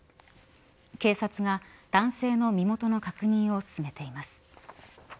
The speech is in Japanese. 警察が男性の身元の確認を進めています。